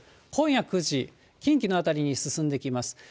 今夜９時、近畿の辺りに進んできます。